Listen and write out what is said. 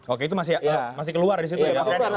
oke itu masih keluar di situ ya